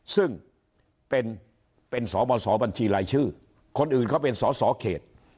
ซึ่งเป็นสบสบัญชีรายชื่อคนอื่นเขาเป็นสอสอเขต